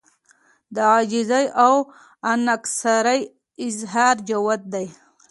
د عاجزۍاو انکسارۍ اظهار جوت دی